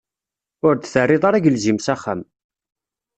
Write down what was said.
Ur d-terriḍ ara agelzim s axxam.